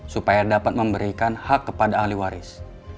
supaya dapat memberikan hak kepada ahli waris